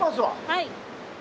はい。